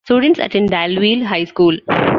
Students attend Daleville High School.